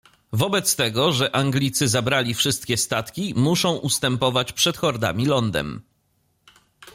Wobec tego, że Anglicy zabrali wszystkie statki, muszą ustępować przed hordami lądem.